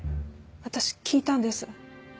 私聞いたんです。